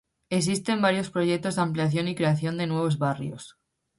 Existen varios proyectos de ampliación y creación de nuevos barrios.